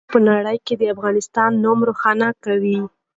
هغوی په نړۍ کې د افغانستان نوم روښانه کوي.